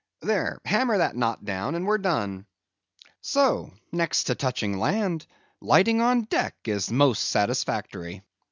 There, hammer that knot down, and we've done. So; next to touching land, lighting on deck is the most satisfactory.